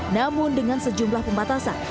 namun dengan sejumlah pembatasan